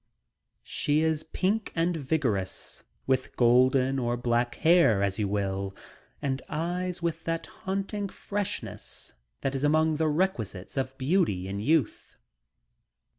She is pink and vigorous, with golden or black hair, as you will, and eyes with that haunting freshness that is among the requisites of beauty in youth.